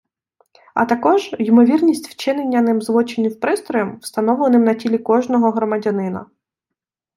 А також ймовірність вчинення ним злочинів пристроєм, встановленим на тілі кожного громадянина.